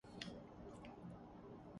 گھٹنے سے ایڑی تک